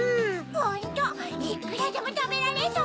ホントいくらでもたべられそう！